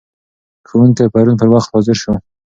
ښوونکی پرون پر وخت حاضر شو.